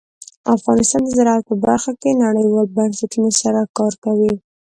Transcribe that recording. افغانستان د زراعت په برخه کې نړیوالو بنسټونو سره کار کوي.